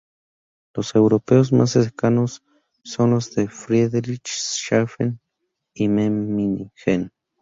Los aeropuertos más cercanos son los de Friedrichshafen y Memmingen.